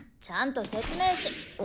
ちゃんと説明。